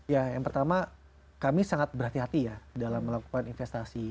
ya yang pertama kami sangat berhati hati ya dalam melakukan investasi